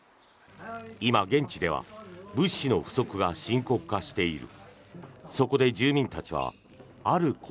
今、現地では物資の不足が深刻化している。